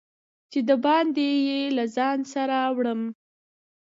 چې د باندي یې له ځان سره وړم